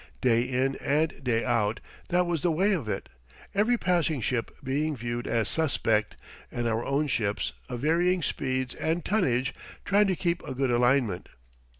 Day in and day out that was the way of it, every passing ship being viewed as suspect and our own ships, of varying speeds and tonnage, trying to keep a good alignment.